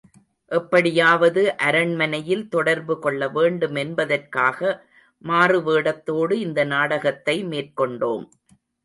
எப்படியாவது அரண்மனையில் தொடர்பு கொள்ள வேண்டுமென்பதற்காக மாறுவேடத்தோடு இந்த நாடகத்தை மேற்கொண்டோம்.